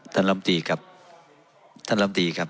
ท่านลำตีครับท่านลำตีครับ